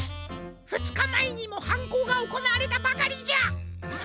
ふつかまえにもはんこうがおこなわれたばかりじゃ！